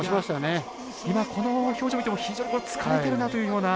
今この表情見ても非常に疲れてるなというような。